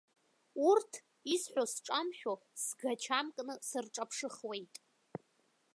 Урҭ исҳәо сҿамшәо сгачамкны сырҿаԥшыхуеит.